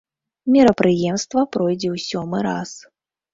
Мерапрыемства пройдзе ў сёмы раз.